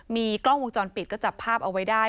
มีกล้องวงจรปิดก็จับภาพเอาไว้ได้